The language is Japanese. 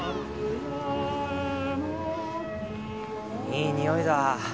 いいにおいだ。